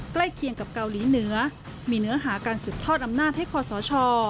ใกล้เคียงกับเกาหลีเหนือมีเนื้อหาการสืบทอดอำนาจให้คอสช